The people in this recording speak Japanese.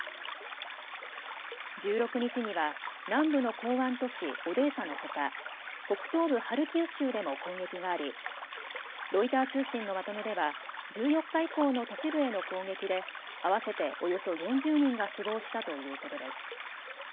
１６日には南部の港湾都市オデーサのほか北東部ハルキウ州でも攻撃がありロイター通信のまとめでは１４日以降の都市部への攻撃で合わせておよそ４０人が死亡したということです。